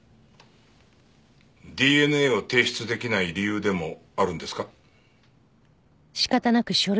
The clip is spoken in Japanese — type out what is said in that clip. ＤＮＡを提出できない理由でもあるんですか？